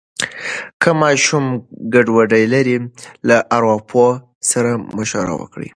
که ماشوم ګډوډي لري، له ارواپوه سره مشوره وکړئ.